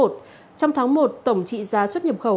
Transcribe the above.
trong tháng một tổng trị giá xuất nhập khẩu